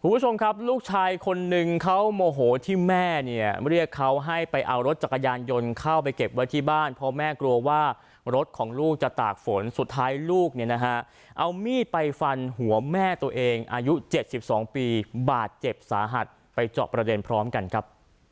คุณผู้ชมครับลูกชายคนนึงเขาโมโหที่แม่เนี่ยเรียกเขาให้ไปเอารถจักรยานยนต์เข้าไปเก็บไว้ที่บ้านเพราะแม่กลัวว่ารถของลูกจะตากฝนสุดท้ายลูกเนี่ยนะฮะเอามีดไปฟันหัวแม่ตัวเองอายุ๗๒ปีบาดเจ็บสาหัสไปเจาะประเด็นพร้อมกันครับ